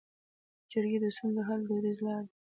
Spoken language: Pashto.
جرګې د ستونزو د حل دودیزه لاره ده